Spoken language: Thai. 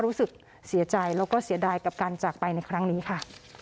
รู้สึกเสียใจแล้วก็เสียดายกับการจากไปในครั้งนี้ค่ะ